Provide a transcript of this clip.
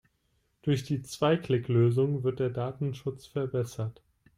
Durch die Zwei-Klick-Lösung wird der Datenschutz verbessert.